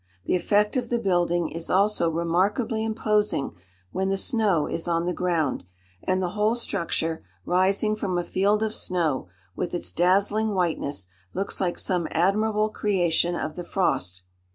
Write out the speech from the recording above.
The effect of the building is also remarkably imposing when the snow is on the ground, and the whole structure, rising from a field of snow, with its dazzling whiteness, looks like some admirable creation of the frost.